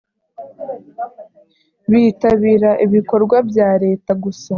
bitabira ibikorwa bya leta gusa